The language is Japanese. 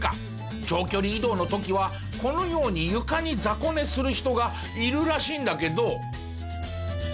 長距離移動の時はこのように床に雑魚寝する人がいるらしいんだけど。